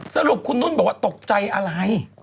สรุปคุณนุ่นบอกว่าตกใจอะไร